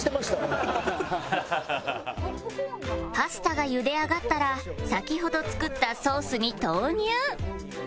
パスタがゆで上がったら先ほど作ったソースに投入